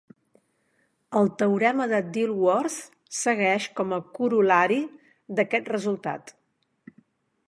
El teorema de Dilworth segueix com a corol·lari d'aquest resultat.